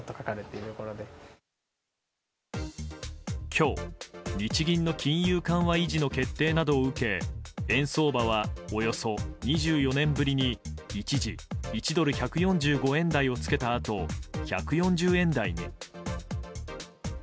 今日、日銀の金融緩和維持の決定などを受け円相場はおよそ２４年ぶりに一時１ドル＝１４５円台をつけたあと１４０円台に。